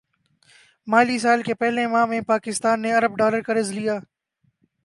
مالی سال کے پہلے ماہ میں پاکستان نے ارب ڈالر قرض لیا